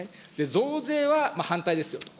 増税は反対ですよと。